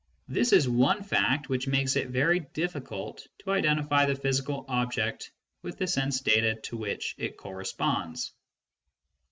This is one fact which makes it very difficult to identify the physical object with the sense data to which it corresponds.